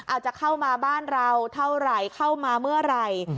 อาจจะเข้ามาบ้านเราเท่าไหร่เข้ามาเมื่อไหร่